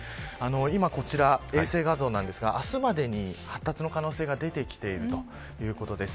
今、こちら衛星画像なんですが明日までに発達の可能性が出てきているということです。